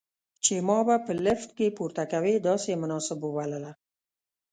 چې ما به په لفټ کې پورته کوي، داسې یې مناسب وبلله.